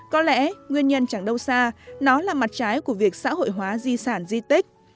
có lẽ nguyên nhân chẳng đâu xa nó là mặt trái của việc xã hội hóa di sản di tích